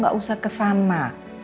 gak usah kesana